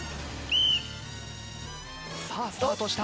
さあスタートした。